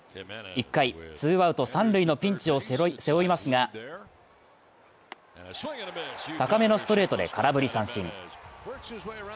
１回、ツーアウト三塁のピンチを背負いますが、高めのストレートで空振り三振。